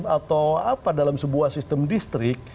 atau apa dalam sebuah sistem distrik